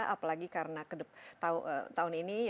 apalagi karena tahun ini